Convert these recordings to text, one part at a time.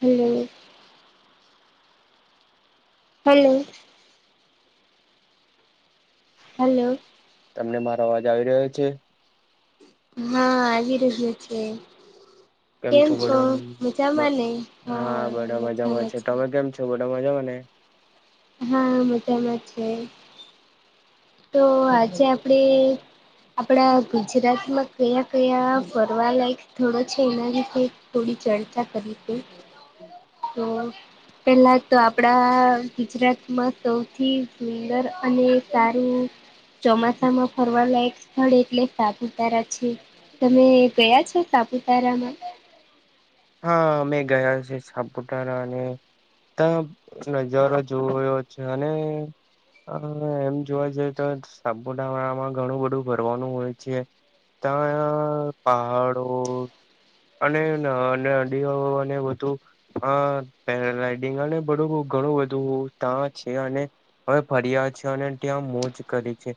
હમ [inaudible] hello hello તમને મારો અવાજ આવી રહ્યો છે હા આવી રહ્યો છે કેમ છો મજામાં ને હા મજામાં છે તો બધા મજા મને હા મજામાં છે તો આજે આપડે આપણા ગુજરાતમાં કયા કયા ફરવાલાયક સ્થળો છે એના વિશે થોડી ચર્ચા કરી છે તો પહેલા તો આપડા ગુજરાતમાં સૌથી સુંદર અને [unintelligible] ચોમાસામાં ફરવાલાક સ્થળ એટલે સાપુતારા છે તમે ગયા છો સાપુતારામાં હા અમે ગયા છે સાપુતારા અને ત્યા નજારો જોવો એવો છે અને એમ જોવા જઈએ તો સાપુવાળામાં ઘણું બધું ભરવાનું હોય છે ત્યાં પહાડો અને અ અને વધુ હા પેરાગ્લાઇડિંગ અને બધું ઘણું બધું ત છે હવે ફરિયા છે અને ત્યાં મોજ કરી છે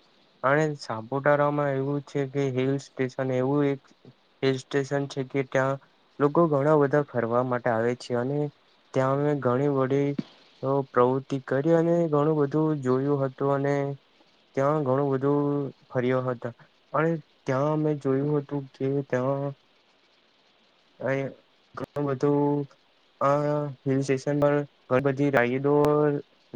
અને સાપુતારામાં એવું છે કે હિલ સ્ટેશન એવું એક હિલ સ્ટેશન છે કે ત્યાં લોકો ઘણા બધા ફરવા માટે આવે છે અને ત્યાંમે ઘણી વડીી તો પ્રવૃત્તિ કરી અને ઘણું બધું જોયું હતું અને ત્યાં ઘણું બધું ફર્યો હતા અને ત્યાં અમે જોયું હતું કે ત્યાં [unintelligible] ઘણું બધું આ હિલ સ્ટેશન પર ઘણી બધી રાયડો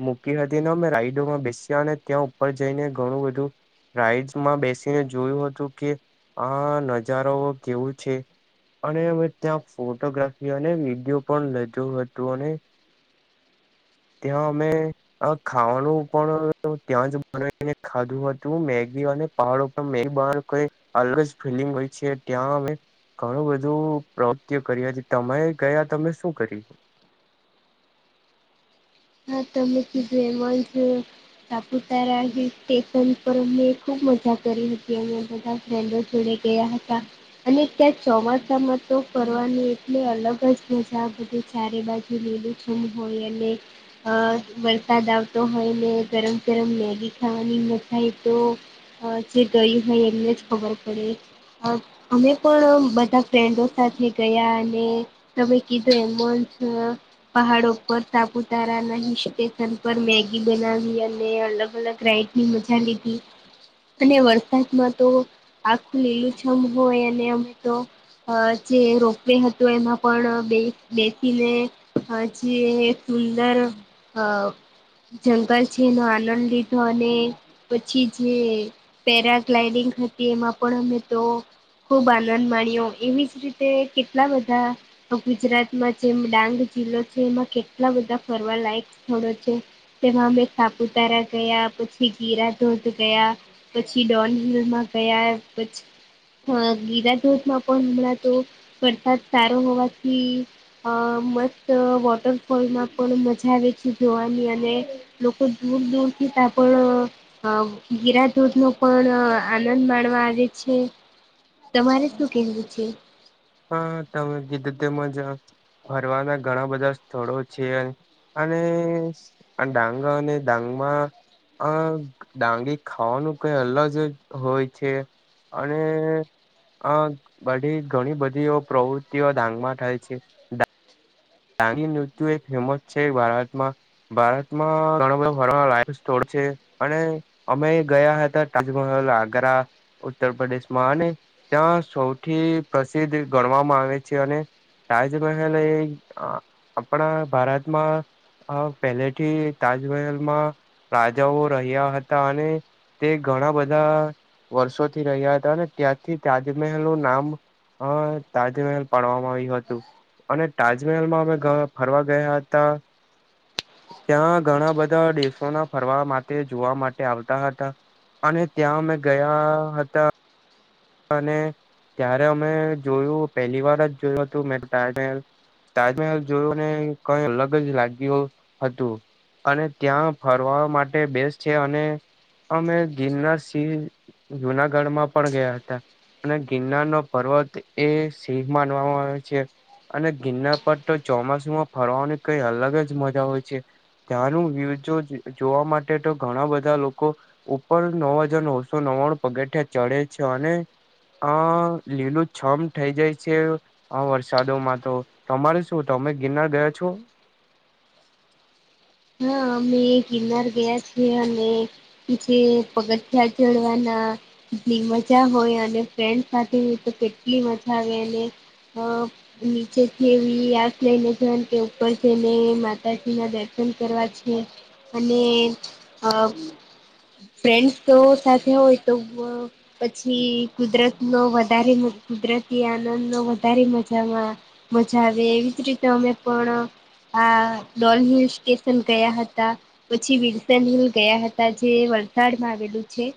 મૂકી હતી ને મેં રાઈડોમાં બેસ્યા અને ત્યાં ઉપર જઈને ઘણું બધું રાઈડસ માં બેસીને જોયું હતું કે આ નજારાઓ કેવું છે અને અમે ત્યાં ફોટોગ્રાફી અને વિડીયો પણ લીધો હતું અને ત્યાં અમે આ ખાવાનું પણ ત્યાં જ બનાવીને ખાધું હતું તું મેગી અને પહાડ ઉપર મેગી બના અલગ ફીલિંગ હોય છે ત્યાં અ ઘણું બધું પ્રવૃતિ કરી હતી તમે ગયા તમે શું કરી હા તમે કીધું એમાં છે સાપુતારા જે સ્ટેશન પર અને ખુબ મજા કરી હતી અ બધા નડો જોડે ગયા હતા અને ત્યાં ચોમાસામાં તો ફરની એટલી અલગ જ મજા બધી ચારે બાજુ લીલીું શ હોય એ અને અ વરસાદ આવતો હોય ને ગરમ ગરમ મેગી ખાવાની ન થાય તો હ ચધ હ એમને જ ખબર પડે અમે પણ બધા ફ્રેન્ડો સાથે ગયા અને તમે કીધું એમ જ પહાડો ઉપર તાપુ તારા નહી સકેન પર મેગી બનાવી અને અલગ અલગ રાઈટીની મજા લીધી અને વરસાદમાં તો આખું લીલુંછમ હોય અને અમે તો અ જે રોપવે હતુ એમાં પણ બે બેસીને હાજીી એક સુંદર હ જંગલ છે એનો આનંદ લીધો અને પછી જે. પેરાગ્લાઈડિંગ હતી એમાં પણ અમે તો ખુબ આનંદ માણ્યો એવીજ રીતે કેટલા બધા ગુજરાતમાં જેમ ડાંગ જિલ્લો છે એમાં કેટલા બધા ફરવાલાાયક સ્થળો છે તે મેં સાપુતારા ગયા પછી ગીરા ધોધ ગયા પછી ડોન હલમાં ગયા પછી અ ગિરાધોજમાં પણ હમણાં તો વરસાદ સારો હોવાથી અ મસ્ વોટર. સ્લમાં પણ મજા આવે છે જોવાની અને લોકો દૂર દૂરથી ત્યા પણ અ ગિરા દૂધ નો પણ આનંદ માણવા આવે છે. તમારે શું કેવું છે. હા તમે કીધું તે મજા. ફરવાના ઘણા બધા સ્થળો છે અને. અને ડાંગ અને ડાંગ માં. અ ડાંગી ખાવાનું કઈ અલગ હોય છે. અને આ બા ઘણી બધી. પ્રવૃત્તિઓ ડાંગમાં થાય છે. તાની ઋત્યુ એક ફેમસ છે ભારતમાં. ભારતમાં ઘણો બધો ફરવા લાયક સ્થળો છે અને. અમે ગયા હતા તાજમહલ આગરા ઉત્તરપ્રદેશમાં અને ત્યાં સૌથી પ્રસિદ્ધ ગણવામાં આવે છે અને તાજમહેલ એ આપણા ભારતમાં આ પહેલેથી તાજમહેલમાં રાજાઓ રહ્યા હતા અને તે ઘણા બધા વર્ષોથી રહ્યા હતા અને ત્યાંથી તાજમહેલ નું નામ હ તાજમહેલ ભડવામાં આવ્યું હતું અને તાજ. તાજમહેલમાં અમે ફરવા ગયા હતા. ત્યાં ઘણા બધા દેશોના ફરવા માટે જોવા માટે આવતા હતા. અને ત્યાં મેં ગયા હતા. અને ત્યારે અમે જોયું પહેલી વાર જ જોયું હતું મે તાજમહેલ. તાજમહેલ જોયો ને કઈ અલગ જ લાગ્યો હતું. અને ત્યાં ફરવા માટે બેસ્ટ છે અને અમે ગિરનાર સિંહ જુનાગઢ માં પણ ગયા. અને ગિરનાર નો પર્વત એ સિંહ માનવામાં આવે છે. અને ગિરનાર પર તો ચોમાસુમાં ફરવાની કઈ અલગ જ મજા હોય છે. ત્યાંનું વ્યુ જો જોવા માટે તો ઘણા બધા લોકો ઉપર નવહજાર નવસો નવાણું પગથિયા ચડે છે અને અ લીલું છમ થઇ જાય છે. હા વરસાદોમાં તો તમારું શું તમે ગિરનાર ગયા છો? હા અમે ગિરનાર ગયા છીએ અને જે પગથિયા ચડવાના લી મજા હોય અને ફ્રેન્ડ સાથે હોય તો કેટલી મજા આવે અને અ નીચેથી એવી આગ લઈને જઈએ કે ઉપર છેને માતાજી ના દર્શન. દર્શન કરવા છે અને અ. ફ્રેન્ડસ તો સાથે હોય તો. પછી કુદરત નો વધારે કુદરતી આનંદ નો વધારે મજામાં મજા આવે એવી જ રીતે અમે પણ આ ડોલ વિશ. [inaudible] ગયા હતા પછી વિરસન હિલ ગયા હતા જે વલસાડમાં આવેલું છે.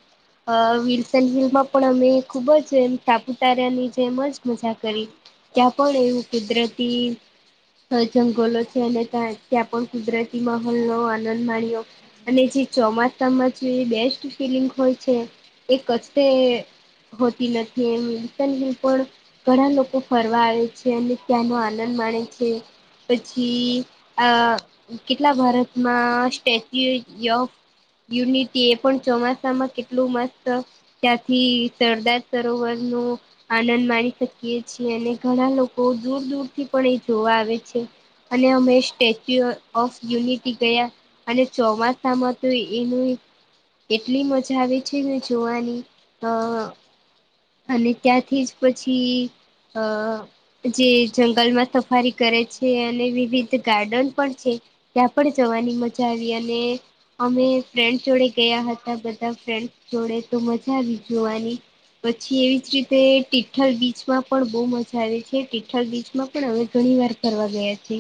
અ વિલસન હિલમાં પણ અમે ખુબ જ સાપુતારાની જેમ જ મજા કરી. ત્યાં પણ એવું કુદરતી જંગલો છે અને ત્યાં પણ કુદરતી માહોલનો આનંદ માણ્યો. અને જે ચોમાસામાં જે બેસ્ટ ફિલિંગ હોય છે એ કચતે હોતી નથી એમ વિરસન હિલ પણ ઘણા લોકો ફરવા આવે છે અને ત્યાંનો આનંદ માણે છે. પછી આ કેટલા ભારતમાં સ્ટેચ્યુ ઓફ યુનિટી એ પણ ચોમાસામાં કેટલું મસ્ત ત્યાંથી સરદાર સરોવર નું. આનંદ માણી શકીએ છીએ અને ઘણા લોકો દૂર દૂરથી પણ એ જોવા આવે છે. અને અમે સ્ટેચ્યુ ઓફ યુનિટી ગયા અને ચોમાસામાં તો એનું એટલી મજા આવે છે ને જોવાની અ. અને ત્યાંથી જ પછી, અ જે જંગલમાં સફારી કરે છે અને વિવિધ ગાર્ડન પણ છે. ત્યાં પણ જવાની મજા આવી અને અમે ફ્રેન્ડ જોડે ગયા હતા બધા ફ્રેન્ડ જોડે તો મજા આવી જોવાની. પછી એવી જ રીતે ટિઠ્ઠલ બીચમાં પણ બહુ મજા આવે છે. વિઠ્ઠલ બીચમાં પણ હવે ઘણી વાર ફરવા ગયા છે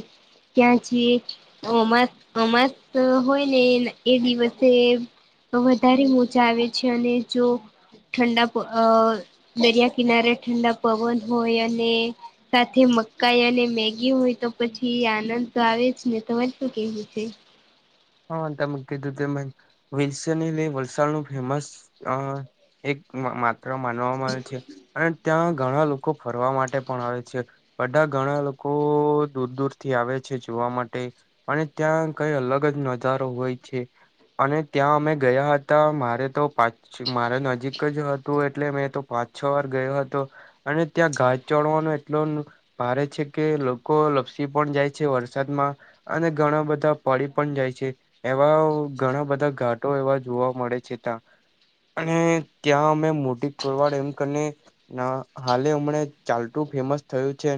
ત્યાં છીએ. અમાસ અમાસ હોય ને એ દિવસે તો વધારે મોજા આવે છે અને જો ઠંડ પર અ દરિયા કિનારે ઠંડા પવન હોય અને સાથે મકાઈ અને મેગી હોય તો પછી આનંદ તો આવે જ ને તમારે શું કેવું છે હા તમે કીધું તેમ વસઈ થી લઈ વલસાડ નું ફેમસ આ એક માત્ર માનવામાં આવે છે અને ત્યાં ઘણા લોકો ફરવા માટે પણ આવે છે બધા ઘણા લોકો દૂર દૂરથી આવે છે જોવા માટે. અને ત્યાં કઈ અલગ જ નજારો હોય છે. અને ત્યાં અમે ગયા હતા. મારે તો પાચ મારે નજીક જ હતું એટલે મેં તો પાંચ છ વાર ગયો હતો. અને ત્યાં ઘાસ ચડવાનો એટલો ભારે છે કે લોકો લપસી પણ જાય છે વરસાદમાં. અને ઘણા બધા પડી પણ જાય છે. એવા ઘણા બધા ઘાટો એવા જોવા મળે છે. ત્યાં અને ક્યાં અમે મોટીકરવાડ એમ કરીને ના હાલે હમણા ચાલતું ફેમસ થયું છે.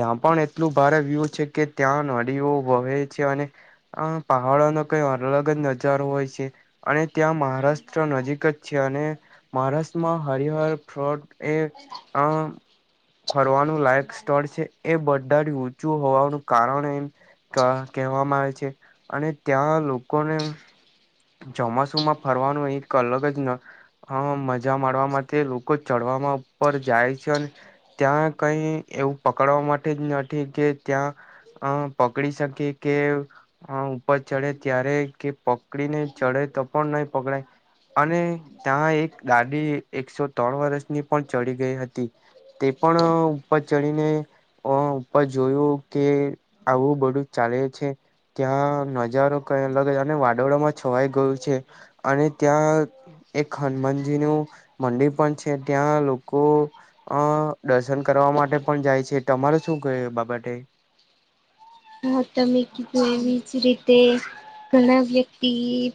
ત્યાં પણ એટલું ભારે વ્યૂ છે કે ત્યાં નાલીઓ વહે છે. અને અ પહાડોનો કઈ અલગ જ નજારો હોય છે અને ત્યાં મહારાષ્ટ્ર નજીક જ છે. અને મહારાષ્ટ્રમાં હરિહર ફ્રોટ એ અ ફરવાનું લાયક સ્થળ છે એ બધાથી ઊંચું હોવાનું કારણ એ કહેવામાં આવે છે અને ત્યાં લોકોને ચોમાસુમાં ફરવાનું એક અલગ જ હ મજા માનવા માટે લોકો ચડવામાં ઉપર જાય છે ત્યાં કઈ એવું પકડવા માટે જ નથી કે ત્યાં અ પકડી શકીએ કે ઉપર ચડે ત્યારે કે પકડીને ચડે તો પણ નહી પકડાય અને ત્યાં એક દાદી એકસો ત્રણ વર્ષની પણ ચડી ગઈ હતી તે પણ ઉપર ચડીને અ ઉપર જોયું કે આવું બધું ચાલે છે ત્યાં મજા હજારો કઈ અલગ અને વાદળો માં છવાઈ ગયું છે અને ત્યાં એક હનુમાનજી નું મંદિર પણ છે ત્યાં ત્યા લોકો અ દર્શન કરવા માટે પણ જાય છે તમારે શું કેવું એ બાબતે હા તમે કીધું એવીજ રીતે ઘણા વ્યક્તિ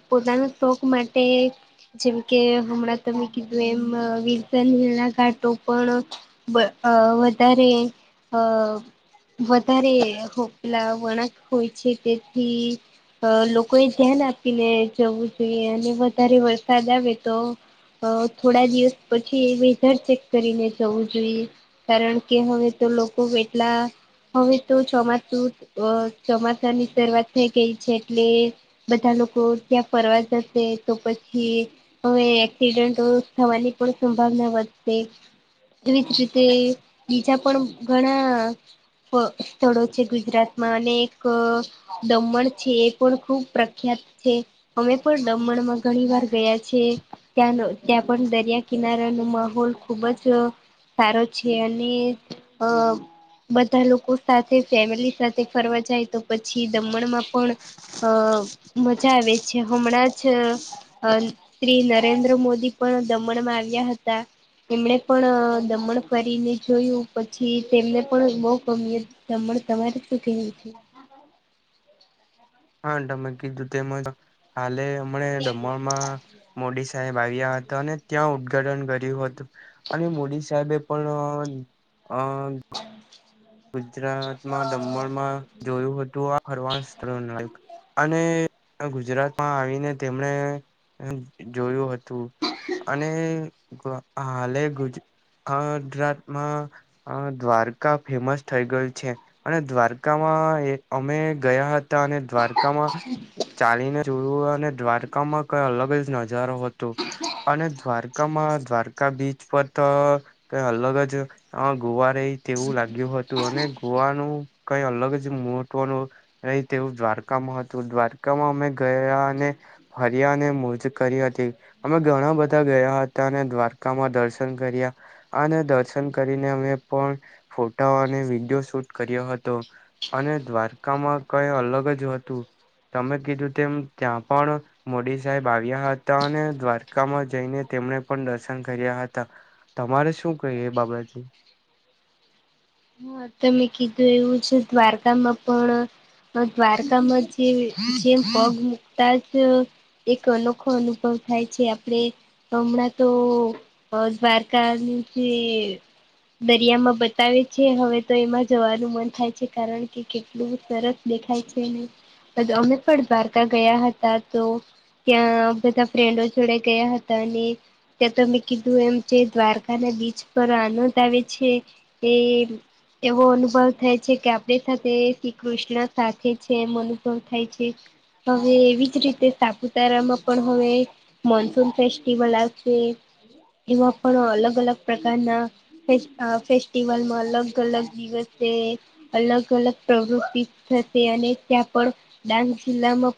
પોતાના શોખ માટે જેમ કે હમણાં તમે કીધું એમ વિરસન રેતા ઘાટો પણ વધારે અ વધારે પેલા વણાંક હોય છે તેથી અ લોકો એ ધ્યાન આપીને જવું જોઈએ અને વધારે વરસાદ આવે તો અ થોડા દિવસ પછી વેધર ચેક કરીને જવું જોઈએ કારણ કે હવે તો લોકો એટલા હવે તો ચોમાસું અ ચોમાસા ની શરૂઆત થઈ ગઈ છે એટલે બધા લોકો ત્યાં ફરવા જશે તો પછી હવે એક્સિડન્ટો થવાની પણ સંભાવના વધતી એવીજ રીતે બીજા પણ ઘણા [unintelligible] ગુજરાત અને એક દમણ છે એ પણ ખૂબ પ્રખ્યાત છે અમે પણ દમણમાં ઘણી વાર ગયા છે ત્યાંનો ત્યાં પણ દરિયા કિનારાનો માહોલ ખૂબ જ સારો છે અને અ બધા લોકો સાથે ફેમિલી સાથે ફરવા જાય તો પછી દમણમાં પણ અ મજા આવે છે હમણાં જ અ શ્રી નરેન્દ્ર મોદી પણ દમણમાં આવ્યા હતા એમણે પણ દમણ ફરીને જોયું પછી તેમને પણ બહુ ગમી દમન તમારે શું કેવું છે? હા, તમે કીધુ તેમ જ હાલે. હમણા દમણમાં મોદી સાહેબ આવ્યા હતા અને ત્યાં ઉદઘાટન કર્યું હતું અને મોદી સાહેબે પણ અ ન અ ગુજરાતમાં દમણમાં જોયું હતું આ હરવાસ્ત્ર નડે અને આ ગુજરાતમાં આવીને તેમણે એમ જોયું હતું તું અને હાલે ગુજ આ ગુજરાતમાં દ્વારકા ફેમસ થઈ ગયું છે અને દ્વારકામાં એ અમે ગયા હતા અને દ્વારકામાં ચાલીને જોયું હોત ને દ્વારકામાં કઈ અલગ જ નજારો હતો અને દ્વારકામાં આ બીચ પર તો કઇ અલગ જ ગોવા રહી તેવું લાગ જેવું હતું અને ગોવાનું કઈ અલગ જ મહત્વનું અહી તેવું દ્વારકામાં હતું. દ્વારકામાં અમે ગયા અને ફરિયાને મોજ કરી હતી. અમે ઘણા બધા ગયા હતા અને દ્વારકામાં દર્શન કર્યા. આને દર્શન કરીને અમે પણ ફોટાઓ અને વિડીયો શૂટ કર્યો હતો. અને દ્વારકામાં કઈ અલગ જ હતું. તમે કીધું તેમ ત્યાં પણ મોદી સાહેબ આવ્યા હતા અને દ્વારકામાં જઈને તેમને પણ દર્શન કર્યા હતા. તમારે શું ક એ બાબત? હ તમે કીધું એવું છે દ્વારકામાં પણ દ્વારકામાં જે જેમ પગ મુકતા જ અ એક અનોખો અનુભવ થાય છે. આપડે હમણાં તો અ દ્વારકા ની જે દરિયામાં બતાવે છે. કે હવે તો એમાં જવાનું મન થાય છે કારણ કે કેટલું સરસ દેખાય છે ને પદ અમે પણ દ્વારકા ગયા હતા તો ત્યાં બધા ફ્રેન્ડો જોડે ગયા હતા અને ત્યાં તમે કીધું એમ જે દ્વારકાના બીચ પર આનંદ આવે છે એ હમ્મ એવો અનુભવ થાય છે કે આપણી સાથે શ્રી કૃષ્ણ સાથે છે એમ અનુભવ થાય છે. હવે એવી જ રીતે સાપુતારામાં પણ હવે મોનસૂન ફેસ્ટીિવલ આવશે છે. એમાં પણ અલગ અલગ પ્રકારના ફેસ અ ફેસ્ટિવલમાં અલગ અલગ દિવસે અલગ અલગ પ્રવૃતિ થશે અને ત્યાં પણ ડાંગ જિલ્લામાં પણ